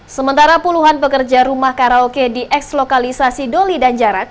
sementara puluhan pekerja rumah karaoke di eks lokalisasi doli dan jarak